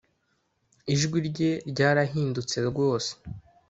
ijwi rye ryarahindutse rwose.